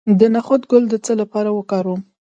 د نخود ګل د څه لپاره وکاروم؟